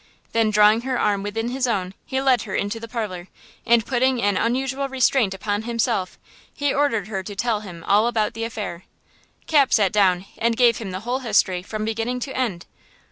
Then drawing her arm within his own, he led her into the parlor, and, putting an unusual restraint upon himself, he ordered her to tell him all about the affair. Cap sat down and gave him the whole history from beginning to end.